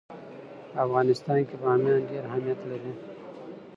په افغانستان کې بامیان ډېر اهمیت لري.